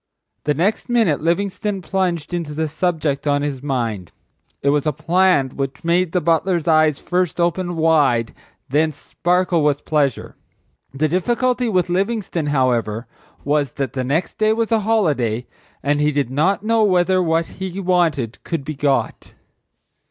The next minute Livingstone plunged into the subject on his mind. It was a plan which made the butler's eyes first open wide and then sparkle with pleasure. The difficulty with Livingstone, however, was that the next day was a holiday and he did not know whether what he wanted could be got.